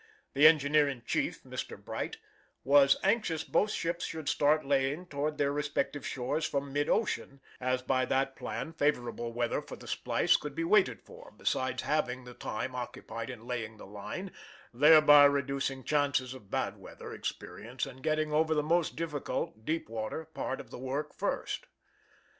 The engineer in chief (Mr. Bright) was anxious both ships should start laying toward their respective shores from mid ocean, as by that plan favorable weather for the splice could be waited for, besides halving the time occupied in laying the line, thereby reducing chances of bad weather experience and getting over the most difficult (deep water) part of the work first.